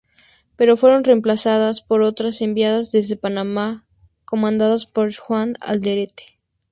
Pero fueron reemplazadas por otras enviadas desde Panamá, comandadas por Juan Alderete.